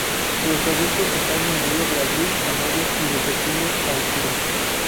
Los adultos están en vuelo de abril a mayo y de septiembre a octubre.